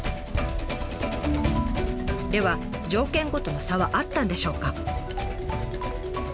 では条件ごとの差はあったんでしょうか？